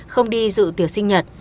không đi dự tiệc sinh nhật